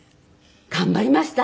頑張りました！